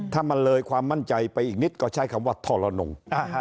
ถ้ามันเลยความมั่นใจไปอีกนิดก็ใช้คำว่าทรนง